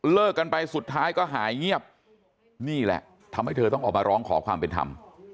กันไปสุดท้ายก็หายเงียบนี่แหละทำให้เธอต้องออกมาร้องขอความเป็นธรรม